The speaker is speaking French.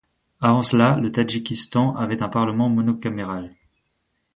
Avant cela, le Tadjikistan avait un parlement monocaméral.